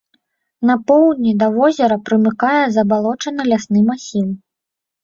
На поўдні да возера прымыкае забалочаны лясны масіў.